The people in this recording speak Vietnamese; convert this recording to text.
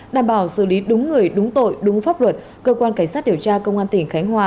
đảm bảo xử lý đúng người đúng tội đúng pháp luật cơ quan cảnh sát điều tra công an tỉnh khánh hòa